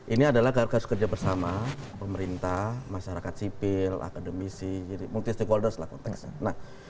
ini adalah kerja bersama pemerintah masyarakat sipil akademisi jadi multi stakeholders lah konteksnya